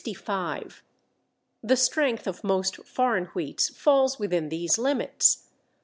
The strength of most foreign wheats falls within these limits.